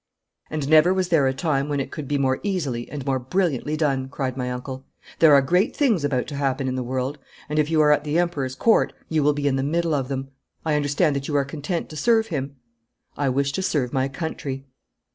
'And never was there a time when it could be more easily and more brilliantly done,' cried my uncle. 'There are great things about to happen in the world, and if you are at the Emperor's court you will be in the middle of them. I understand that you are content to serve him?' 'I wish to serve my country.'